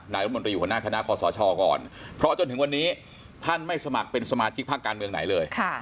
รัฐมนตรีหัวหน้าคณะคอสชก่อนเพราะจนถึงวันนี้ท่านไม่สมัครเป็นสมาชิกพักการเมืองไหนเลย